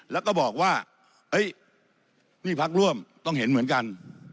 แล้วก็บอกว่านี่พักร่วมต้องเห็นเหมือนกัน